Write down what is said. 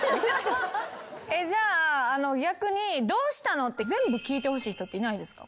じゃあ逆にどうしたの？って全部聞いてほしい人っていないですか？